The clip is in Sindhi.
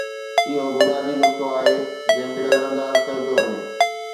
اهو بنيادي نقطو آهي جنهن کي نظرانداز ڪيو پيو وڃي.